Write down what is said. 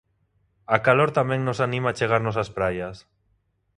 A calor tamén nos anima a achegarnos as praias.